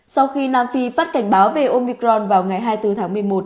sau khi nam phi phát cảnh báo về omicron vào ngày hai mươi bốn tháng một mươi một